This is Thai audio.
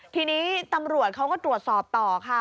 ทีนี้ตำรวจเขาก็ตรวจสอบต่อค่ะ